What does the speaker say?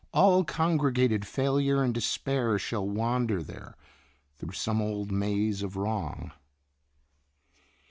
All congregated failure and despair Shall wander there through some old maze of wrong."